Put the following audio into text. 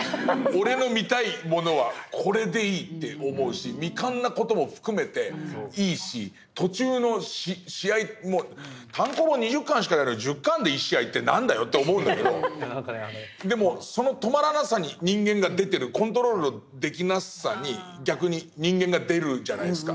俺の見たいものはこれでいいって思うし未完な事も含めていいし途中の試合も単行本２０巻しかないのに１０巻で１試合って何だよって思うんだけどでもその止まらなさに人間が出てるコントロールできなさに逆に人間が出るじゃないですか。